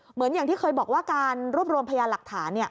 เหมือนอย่างที่เคยบอกว่าการรวบรวมพยานหลักฐาน